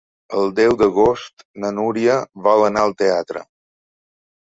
El deu d'agost na Núria vol anar al teatre.